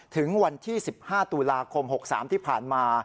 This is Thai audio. ถึงวันที่๑๕ตุลาคม๖๓ที่ผ่านมา